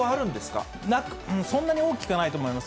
そんなに大きくはないと思います。